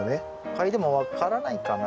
嗅いでも分からないかな